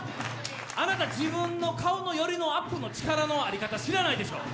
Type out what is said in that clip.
あなた自分の顔の寄りのアップの力のあり方しらないでしょ。